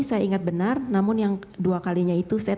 saya ingat benar namun yang dua kalinya itu